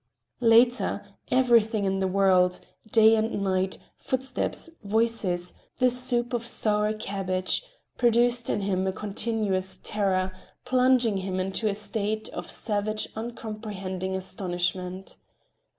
Later, everything in the world—day and night, footsteps, voices, the soup of sour cabbage, produced in him a continuous terror, plunging him into a state of savage uncomprehending astonishment.